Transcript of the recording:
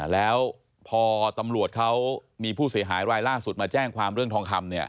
แล้วพอตำรวจเขามีผู้เสียหายรายล่าสุดมาแจ้งความเรื่องทองคำ